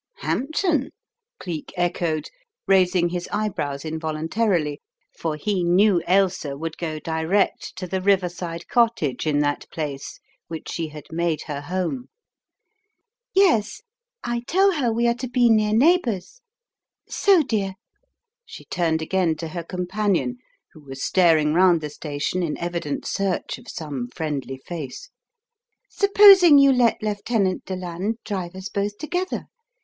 "Hampton? " Cleek echoed, raising his eyebrows involuntarily, for he knew Ailsa would go direct to the riverside cottage in that place which she had made her home. "Yes, I tell her we are to be near neighbors. So, dear," she turned again to her companion, who was staring round the station in evident search of some friendly face, "supposing you let Lieutenant Deland drive us both together?